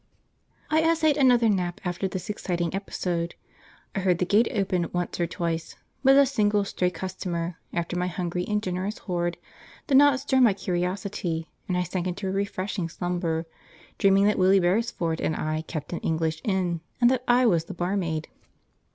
I essayed another nap after this exciting episode. I heard the gate open once or twice, but a single stray customer, after my hungry and generous horde, did not stir my curiosity, and I sank into a refreshing slumber, dreaming that Willie Beresford and I kept an English inn, and that I was the barmaid.